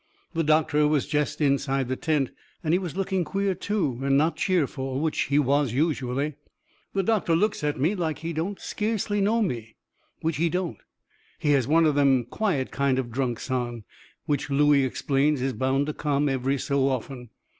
The doctor was jest inside the tent, and he was looking queer too, and not cheerful, which he was usually. The doctor looks at me like he don't skeercly know me. Which he don't. He has one of them quiet kind of drunks on. Which Looey explains is bound to come every so often.